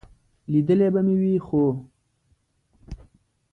لیدلی به مې وي، خو ...